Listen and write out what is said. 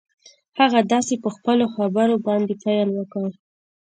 هغه داسې په خپلو خبرو باندې پيل وکړ.